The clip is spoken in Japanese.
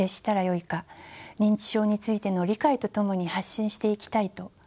認知症についての理解とともに発信していきたいと。